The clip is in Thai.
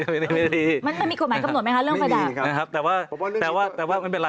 มันมีขวดหมายกำหนดไหมคะเรื่องไฟดับไม่มีครับแต่ว่าไม่เป็นไร